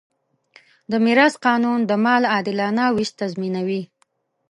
د میراث قانون د مال عادلانه وېش تضمینوي.